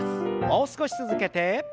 もう少し続けて。